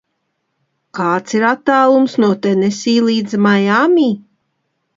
Kāds ir attālums no Tenesī līdz Maiami?